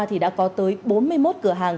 thì đã có tới bốn mươi một cửa hàng